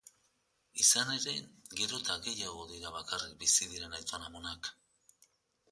Izan ere, gero eta gehiago dira bakarrik bizi diren aiton-amonak.